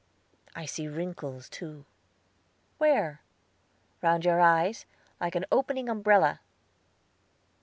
I see wrinkles, too." "Where?" "Round your eyes, like an opening umbrella."